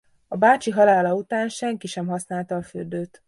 A bácsi halála után senki sem használta a fürdőt.